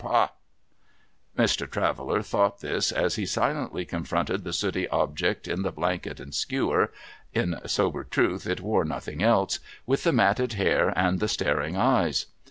Hah 1 ' Mr. Traveller thought this, as he silently confronted the sooty object in the blanket and skewer (in sober truth it wore nothing else), with the matted hair and the staring eyes.